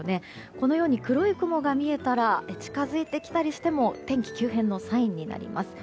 このように黒い雲が見えたら近づいてきたりしても天気急変のサインになります。